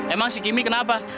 emang si kimi kenapa